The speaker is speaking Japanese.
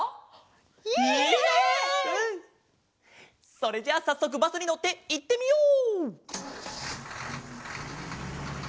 それじゃあさっそくバスにのっていってみよう！